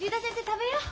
食べよう。